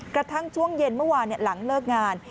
กระทั่งช่วงเย็นเมื่อวานหลังเลิกงาน